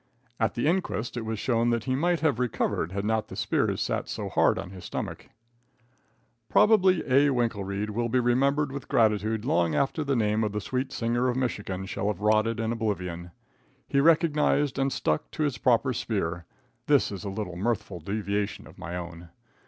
At the inquest it was shown that he might have recovered, had not the spears sat so hard on his stomach. Probably A. Winkelreid will be remembered with gratitude long after the name of the Sweet Singer of Michigan shall have rotted in oblivion. He recognized and stuck to his proper spear. (This is a little mirthful deviation of my own.)